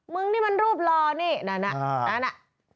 มึงนี่มันรูปรอนี่นั่นน่ะ